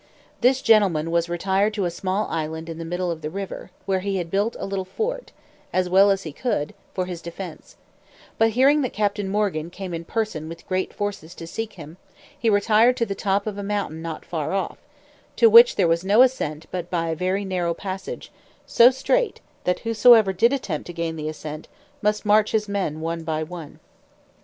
This gentleman was retired to a small island in the middle of the river, where he had built a little fort, as well as he could, for his defence; but hearing that Captain Morgan came in person with great forces to seek him, he retired to the top of a mountain not far off, to which there was no ascent but by a very narrow passage, so straight, that whosoever did attempt to gain the ascent, must march his men one by one.